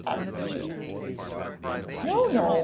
asked she. 'No, no!